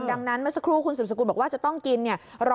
ดังนั้นเมื่อสักครู่คุณสืบสกุลบอกว่าจะต้องกินเนี่ย